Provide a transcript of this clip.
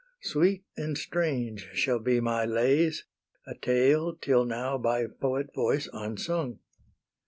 Sweet and strange shall be my lays, A tale till now by poet voice unsung.